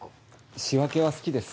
仕分けは好きです。